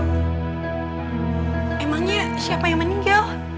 emangnya siapa yang meninggal